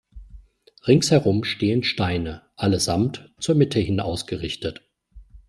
Ringsherum stehen Steine, allesamt zur Mitte hin ausgerichtet.